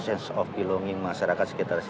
sensi terdiri oleh masyarakat sekitar sini